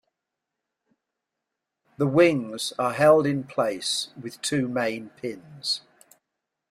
The wings are held in place with two main pins.